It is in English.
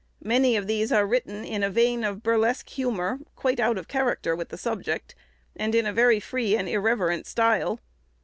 Many of these are written in a vein of burlesque humour, quite out of character with the subject, and in a very free and irreverent style.